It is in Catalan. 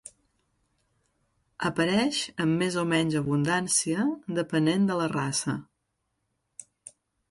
Apareix amb més o menys abundància depenent de la raça.